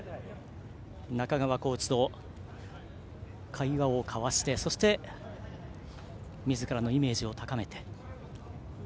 中川コーチと会話を交わしてそして、みずからのイメージを高めて。